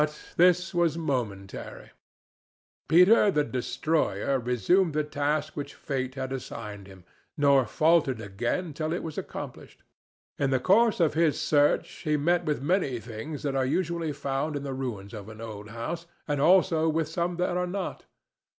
But this was momentary. Peter the Destroyer resumed the task which Fate had assigned him, nor faltered again till it was accomplished. In the course of his search he met with many things that are usually found in the ruins of an old house, and also with some that are not.